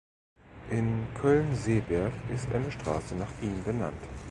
In Köln-Seeberg ist eine Straße nach ihm benannt.